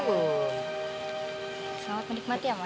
selamat menikmati ya mak